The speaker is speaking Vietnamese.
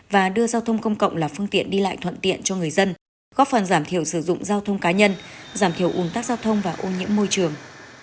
và đưa giao thông công cộng là phương tiện đi lại thuận tiện cho người dân góp phần giảm thiểu sử dụng giao thông cá nhân giảm thiểu ủng tác giao thông và ô nhiễm môi trường